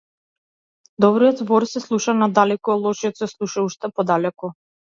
Добриот збор се слуша надалеку, а лошиот се слуша уште подалеку.